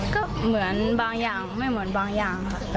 ก็เหมือนบางอย่างไม่เหมือนบางอย่างค่ะ